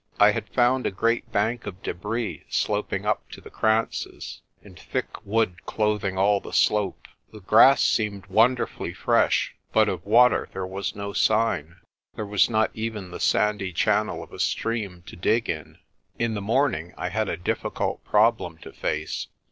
I had found a great bank of debris sloping up to the kranzes, and thick wood clothing all the slope. The grass seemed wonderfully fresh, but of water there was no sign. There was not even the sandy channel of a stream to dig in. In the morning I had a difficult problem to face.